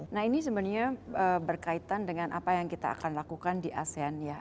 nah ini sebenarnya berkaitan dengan apa yang kita akan lakukan di asean ya